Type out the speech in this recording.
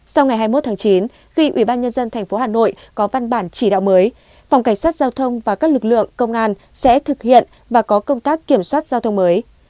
sau ngày hai mươi một tháng chín khi ủy ban nhân dân tp hà nội có văn bản chỉ đạo mới phòng cảnh sát giao thông và các lực lượng công an sẽ thực hiện và có công tác kiểm soát giao thông mới